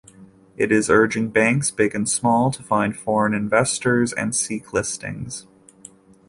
It is urging banks, big and small, to find foreign investors and seek listings.